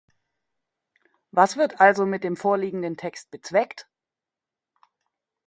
Was wird also mit dem vorliegenden Text bezweckt?